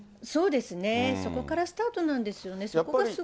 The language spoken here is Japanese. そこからスタートなんですよね。